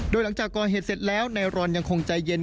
โดยหลังจากก่อเหตุเสร็จแล้วนายรอนยังคงใจเย็น